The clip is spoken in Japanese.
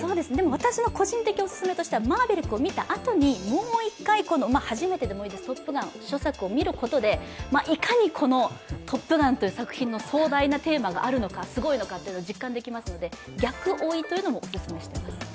私の個人的お勧めとしては「マーヴェリック」を見たあとにもう一回、初めてでもいいので「トップガン」初作を見ることでいかに「トップガン」という作品の壮大なテーマがあるのか、すごいのかが実感できますので、逆追いというのもお勧めしています。